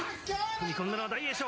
踏み込んだのは大栄翔。